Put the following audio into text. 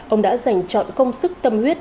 ông đã dành chọn công sức tâm huyết